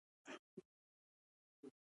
د کیمیاګر سبک جادويي ریالستیک دی.